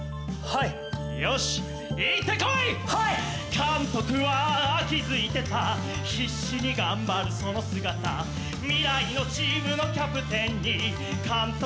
「監督は気付いてた必死に頑張るその姿」「未来のチームのキャプテンに監督